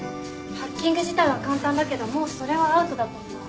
ハッキング自体は簡単だけどもうそれはアウトだと思う。